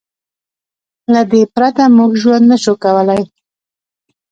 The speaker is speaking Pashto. له دې پرته موږ ژوند نه شو کولی.